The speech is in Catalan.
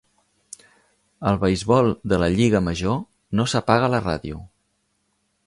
Al beisbol de la lliga major, no s'apaga la ràdio.